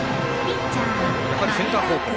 やはり、センター方向。